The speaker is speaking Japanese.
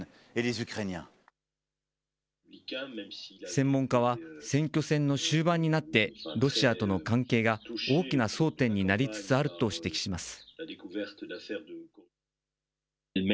専門家は、選挙戦の終盤になって、ロシアとの関係が大きな争点になりつつあると指摘します。